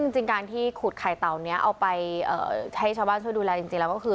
จิงการที่ขุดไข่เต่านี้เอาไปให้ชาวบ้านช่วยดูแล